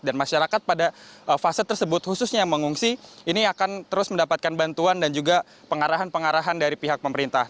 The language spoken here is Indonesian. dan masyarakat pada fase tersebut khususnya mengungsi ini akan terus mendapatkan bantuan dan juga pengarahan pengarahan dari pihak pemerintah